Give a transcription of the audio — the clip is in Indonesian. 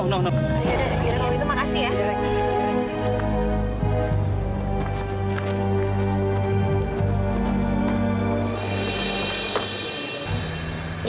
kalau itu makasih ya